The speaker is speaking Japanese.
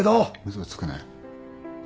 嘘つくなよ。